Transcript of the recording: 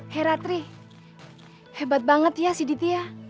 heratri hebat banget ya si ditya